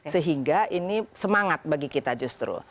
sehingga ini semangat bagi kita justru